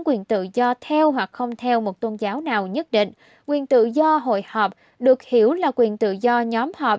quyền tự do theo hoặc không theo một tôn giáo nào nhất định quyền tự do hội họp được hiểu là quyền tự do nhóm họp